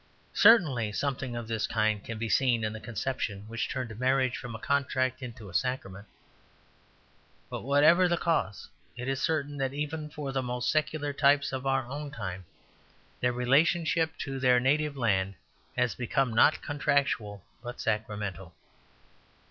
Certainly something of this kind can be seen in the conception which turned marriage from a contract into a sacrament. But whatever the cause, it is certain that even for the most secular types of our own time their relation to their native land has become not contractual but sacramental.